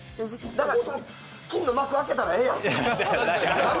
金の幕を開けたらええやん。